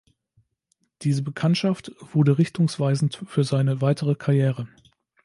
Diese Bekanntschaft wurde richtungsweisend für seine weitere Karriere.